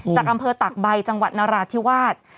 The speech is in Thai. จากอำเภอตากใบจังหวัดนราธิวาส